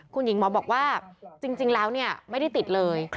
คุณหญิงหมอบอกว่าจริงแล้วไม่ได้ติดเลย